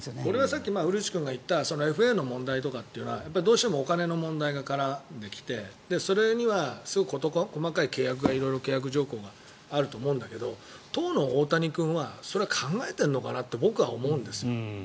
さっき古内君が言ったＦＡの問題というのはどうしてもお金の問題が絡んできてそれには細かい契約が色々契約条項があると思うんだけど当の大谷君はそれは考えているのかなって僕は思うんですよ。